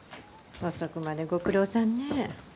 遅くまでご苦労さんね。